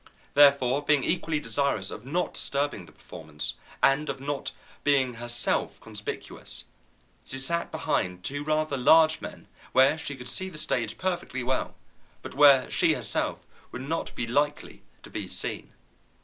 Therefore, being equally desirous of not disturbing the performance and of not being herself conspicuous, she sat behind two rather large men, where she could see the stage perfectly well, but where she herself would not be likely to be seen.